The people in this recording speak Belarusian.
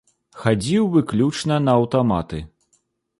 Хадзіў выключна на аўтаматы.